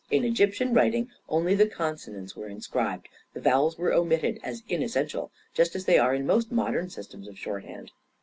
" In Egyp tian writing, only the consonants were inscribed — the vowels were omitted as inessential, just as they are in most modern systems of shorthand."